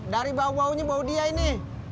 dari bau baunya bau dia ini